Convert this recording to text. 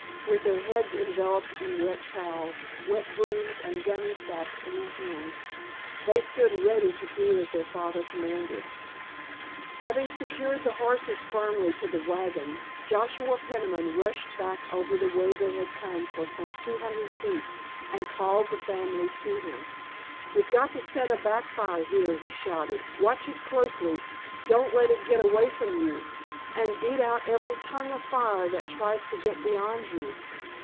With their heads enveloped in wet towels, wet brooms and gunny sacks in their hands, they stood ready to do as their father commanded. Having secured the horses firmly to the wagons Joshua Peniman rushed back over the way they had come for some two hundred feet, and called the family to him. "We've got to set a back fire here," he shouted; "watch it closely, don't let it get away from you, and beat out every tongue of fire that tries to get beyond you.